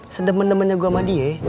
sedemen demennya gua sama die